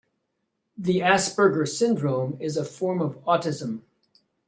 The Asperger syndrome is a form of autism.